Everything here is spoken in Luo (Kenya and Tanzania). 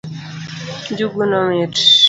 Njuguno mit